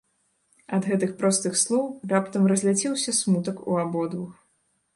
Ад гэтых простых слоў раптам разляцеўся смутак у абодвух.